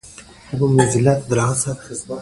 معلولینو ته په دولتي ادارو کې اسانتیاوې شته.